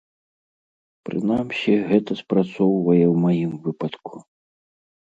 Прынамсі, гэта спрацоўвае ў маім выпадку.